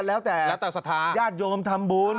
แล้วแต่ยาดยมทำบุญ